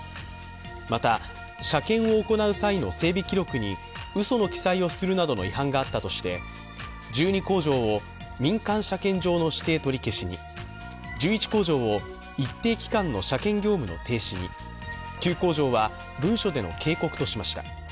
また、車検を行う際の整備記録にうその記載をするなどの違反があったとして１２工場を民間車検場の指定取り消しに、１１工場を一定期間の車検業務の停止に９工場は文書での警告としました。